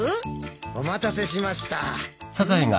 お待たせしましたうん？